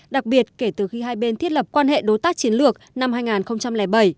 đặc biệt kể từ khi hai bên thiết lập quan hệ đối tác chiến lược năm hai nghìn bảy